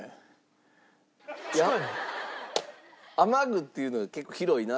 雨具っていうので結構広いなという。